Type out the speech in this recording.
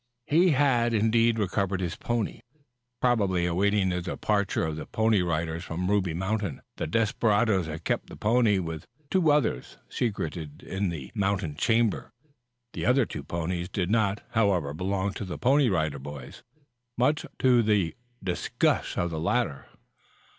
He had indeed recovered his pony. Probably awaiting the departure of the Pony Riders from Ruby Mountain, the desperadoes had kept the pony with two others secreted in the mountain chamber. The other two ponies did not, however, belong to the Pony Rider Boys, much to the disgust of the latter.